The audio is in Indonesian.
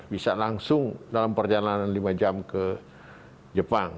bisa langsung dalam perjalanan lima jam ke jepang